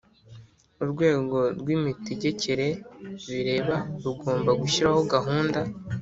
urwego rw imitegekere bireba rugomba gushyiraho gahunda